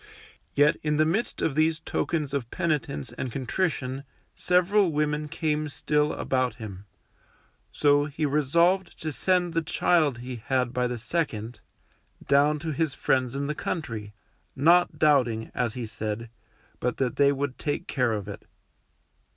Yet in the midst of these tokens of penitence and contrition several women came still about him, so he resolved to send the child he had by the second down to his friends in the country, not doubting, as he said, but that they would take care of it.